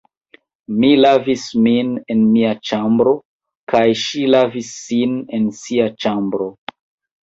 Mi lavis min en mia ĉambro, kaj ŝi lavis sin en sia ĉambro.